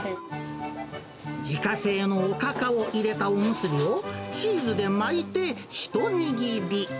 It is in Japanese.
自家製のおかかを入れたおむすびを、チーズで巻いて、一握り。